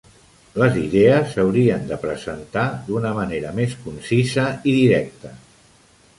Les idees s'haurien de presentar d'una manera més concisa i directa.